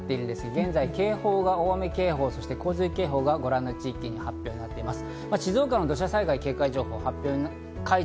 現在、警報が大雨警報そして洪水警報がご覧の地域に発表されています。